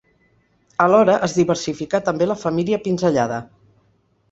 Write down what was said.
Alhora es diversificà també la família pinzellada.